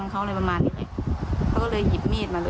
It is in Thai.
ครับ